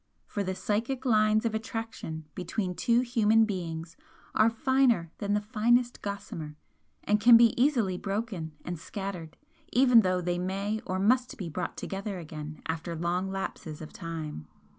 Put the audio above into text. For the psychic lines of attraction between two human beings are finer than the finest gossamer and can be easily broken and scattered even though they may or must be brought together again after long lapses of time.